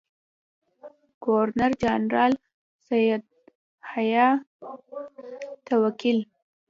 ګورنرجنرال سیندهیا ته ولیکل.